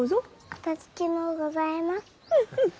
かたじけのうございます。